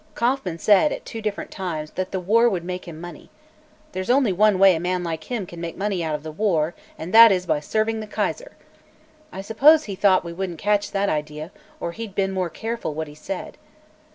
Kauffman said, at two different times, that the war would make him money. There's only one way a man like him can make money out of the war, and that is by serving the Kaiser. I suppose he thought we wouldn't catch that idea, or he'd been more careful what he said.